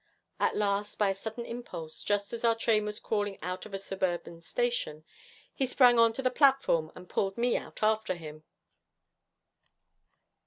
At last, by a sudden impulse, just as our train was crawling out of a suburban station, he sprang on to the platform and pulled me out after him.